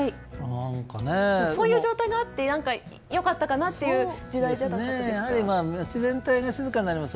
そういう状態があって良かったかなという気がします。